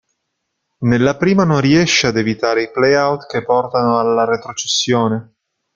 Nella prima non riesce ad evitare i play-out che portano alla retrocessione.